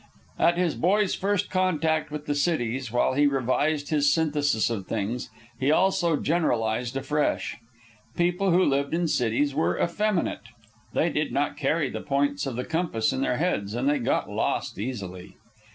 At his boy's first contact with the cities, while he revised his synthesis of things, he also generalized afresh. People who lived in cities were effeminate. They did not carry the points of the compass in their heads, and they got lost easily.